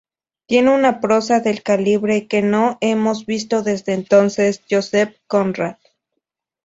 Tiene una prosa del calibre que no hemos visto desde entonces Joseph Conrad.